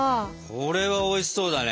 これはおいしそうだね。